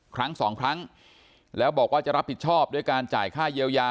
ครั้งสองครั้งแล้วบอกว่าจะรับผิดชอบด้วยการจ่ายค่าเยียวยา